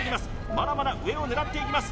まだまだ上を狙っていきます